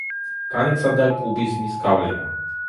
განიცადა კუბიზმის გავლენა.